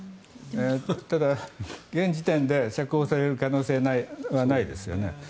ただ、現時点で釈放される可能性はないですよね。